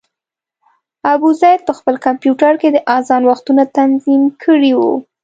ابوزید په خپل کمپیوټر کې د اذان وختونه تنظیم کړي وو.